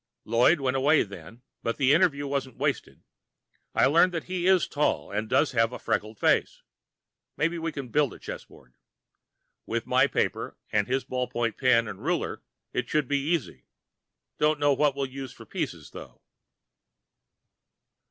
Lloyd went away then, but the interview wasn't wasted. I learned that he is tall and does have a freckled face. Maybe we can build a chessboard. With my paper and his ballpoint pen and ruler, it should be easy. Don't know what we'll use for pieces, though.